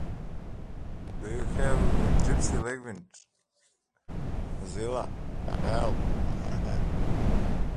To teach people how to think rather than what to think.